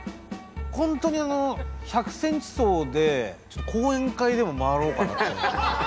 本当にあの１００ｃｍ走でちょっと講演会でも回ろうかなと。